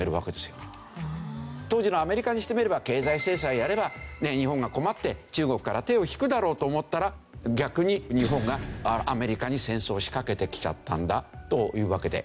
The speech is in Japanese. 当時のアメリカにしてみれば経済制裁やれば日本が困って中国から手を引くだろうと思ったら逆に日本がアメリカに戦争を仕掛けてきちゃったんだというわけで。